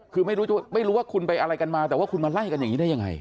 คือไม่รู้ว่าคุณไปอะไรกันมาแต่ว่าคุณมาไล่กันอย่างนี้ได้ยังไง